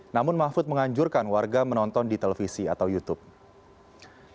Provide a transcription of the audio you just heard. namun mahfud menganjurkan warga menonton di televisi atau youtube